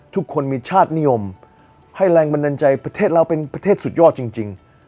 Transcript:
ทุกคนมีชาตินิยมให้แรงบันดาลใจประเทศเราเป็นประเทศสุดยอดจริง